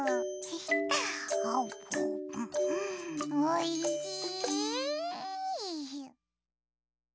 おいしい！